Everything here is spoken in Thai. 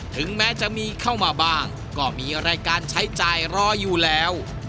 ถึงแม้จะมีเข้ามาบ้างก็มีรายการใช้จ่ายรออยู่แล้ว